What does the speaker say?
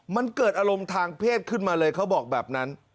มันเกิดอารมณ์ทางเพศขึ้นมาเลยเขาบอกแบบนั้น